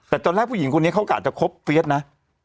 แต่ตอนแรกผู้หญิงคนนี้เขากะจะคบเฟียสนะ